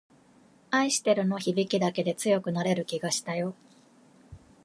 愛してるの響きだけで強くなれる気がしたよ